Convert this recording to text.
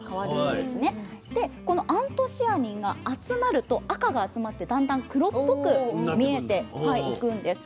でこのアントシアニンが集まると赤が集まってだんだん黒っぽく見えていくんです。